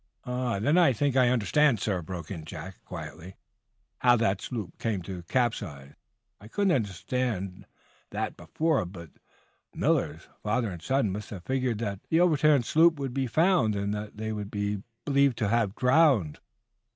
"Then I think I understand, sir," broke in Jack, quietly, "how that sloop came to capsize. I couldn't understand that before. But the Millers, father and son, must have figured that the overturned sloop would be found, and that they would be believed to have drowned.